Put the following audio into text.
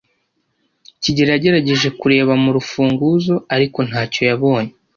kigeli yagerageje kureba mu rufunguzo, ariko ntacyo yabonye.